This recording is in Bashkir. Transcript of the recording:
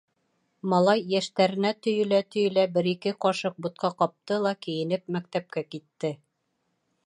Малай, йәштәренә төйөлә-төйөлә, бер-ике ҡашыҡ бутҡа ҡапты ла кейенеп мәктәпкә китте.